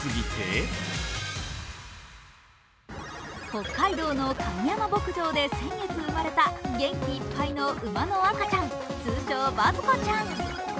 北海道の上山牧場で先月生まれた元気いっぱいの馬の赤ちゃん、通称バズ子ちゃん。